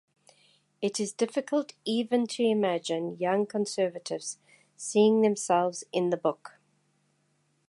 It is difficult even to imagine young conservatives seeing themselves in the book.